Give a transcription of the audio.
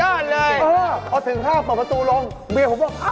อ้าวสุดยอดเลยเออเสื้อประตูลองวีดีโรงพยาบาลผมว่า